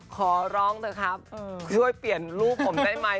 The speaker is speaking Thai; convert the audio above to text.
ขอร้องเถอะครับช่วยเปลี่ยนรูปผมได้ไหม